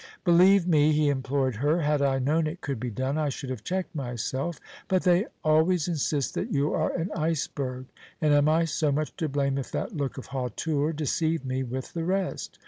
"Believe me," he implored her, "had I known it could be done, I should have checked myself. But they always insist that you are an iceberg, and am I so much to blame if that look of hauteur deceived me with the rest?